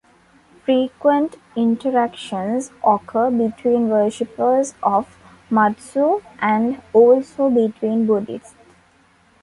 Frequent interactions occur between worshipers of Matsu, and also between Buddhists.